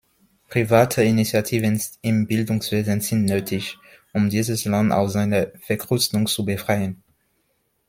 Private Initiativen im Bildungswesen sind nötig, um dieses Land aus seiner Verkrustung zu befreien.